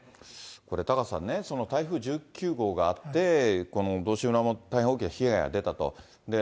これ、タカさんね、台風１９号があって、この道志村も大変大きな被害が出たと。